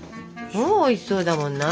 もうおいしそうだもんな。